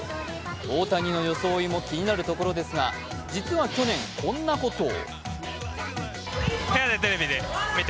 大谷の装いも気になるところですが実は去年、こんなことを。